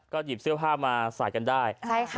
หยิบเสื้อผ้ามาใส่กันได้